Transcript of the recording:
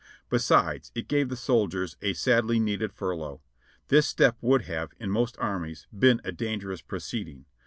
Besides it gave the soldiers a sadly needed furlough. This step would have, in most armies, been a dangerous proceed ing.